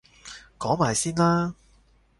講埋先啦